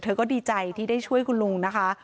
ก็ดีใจที่ได้ช่วยคุณลุงนะคะ